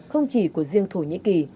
không chỉ của riêng thổ nhĩ kỳ